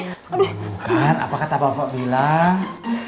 benar apa kata bapak bilang